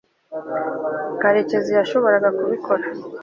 karekezi yashoboraga kubikora